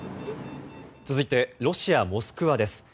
続いてロシア・モスクワです。